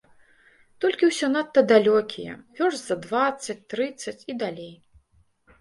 Толькі ўсё надта далёкія, вёрст за дваццаць, трыццаць і далей.